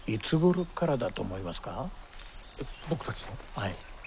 はい。